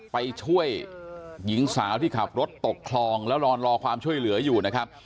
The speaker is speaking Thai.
ไปช่วยหญิงสาวที่ขับรถตกคลองแล้วรอความช่วยเหลืออยู่นะครับ